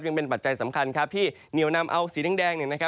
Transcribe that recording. ยังเป็นปัจจัยสำคัญครับที่เหนียวนำเอาสีแดงเนี่ยนะครับ